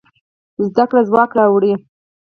زده کړه ځواک راوړي.